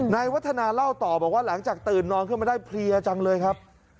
วัฒนาเล่าต่อบอกว่าหลังจากตื่นนอนขึ้นมาได้เพลียจังเลยครับ